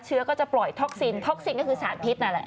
เชื้อก็จะปล่อยท็อกซินท็อกซินก็คือสารพิษนั่นแหละ